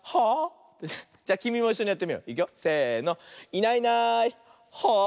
「いないいないはあ？」。